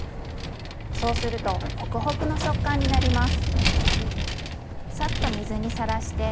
そうするとホクホクの食感になります。